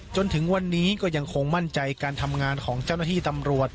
จนถึงวันนี้ก็ยังคงมั่นใจการทำงานของเจ้าหน้าที่ตำรวจ